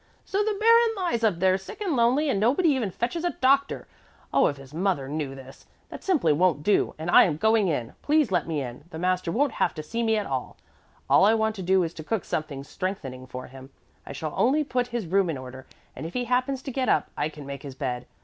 "So the baron lies up there sick and lonely and nobody even fetches a doctor. Oh, if his mother knew this! That simply won't do, and I am going in. Please let me in. The master won't have to see me at all. All I want to do is to cook something strengthening for him. I shall only put his room in order, and if he happens to get up, I can make his bed.